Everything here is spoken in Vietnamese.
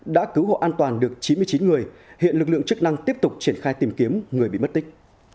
đã cứu hộ an toàn được chín mươi chín người hiện lực lượng chức năng tiếp tục triển khai tìm kiếm người bị mất tích